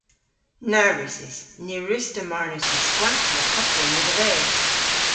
Na wrussys. Ny wruss'ta marnas y skwattya ha ponya dhe-ves.